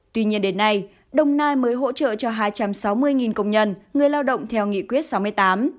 tuy nhiên đến nay đồng nai mới hỗ trợ cho hai trăm sáu mươi công nhân người lao động theo nghị quyết sáu mươi tám